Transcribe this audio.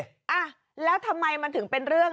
อ่ะแล้วทำไมมันถึงเป็นเรื่อง